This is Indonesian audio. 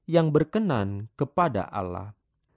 yang berkenan kepada allah